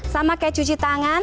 sama kayak cuci tangan